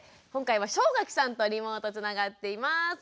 今回は正垣さんとリモートつながっています。